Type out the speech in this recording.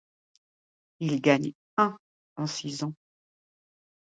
Il gagne un en six ans.